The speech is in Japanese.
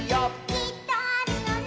「きっとあるよね」